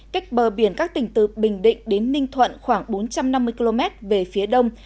cách bờ biển các tỉnh từ bình định đến ninh thuận khoảng bốn trăm năm mươi km về phía đông